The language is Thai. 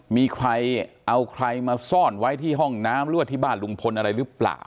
มีใครเอาใครมาซ่อนไว้ที่ห้องน้ำหรือว่าที่บ้านลุงพลอะไรหรือเปล่า